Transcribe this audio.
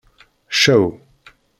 Ccaw.